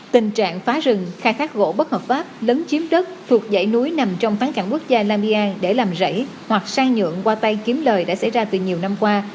tình trạng phá rừng khai thác gỗ bất hợp pháp lấn chiếm đất thuộc dãy núi nằm trong phán cảng quốc gia lamian để làm rẫy hoặc sang nhượng qua tay kiếm lời đã xảy ra từ nhiều năm qua